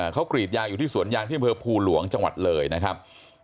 เขากรีดยางอยู่ที่สวนยางที่อำเภอภูหลวงจังหวัดเลยนะครับ